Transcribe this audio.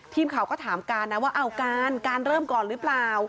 ทีมข่าวก็ถามการนะว่าเอาการการเริ่มก่อนหรือเปล่า